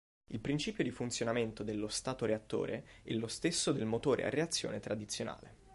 Il principio di funzionamento dello statoreattore è lo stesso del motore a reazione tradizionale.